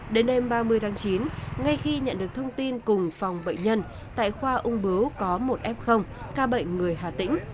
đến đêm ba mươi tháng chín ngay khi nhận được thông tin cùng phòng bệnh nhân tại khoa ung bướu có một f ca bệnh người hà tĩnh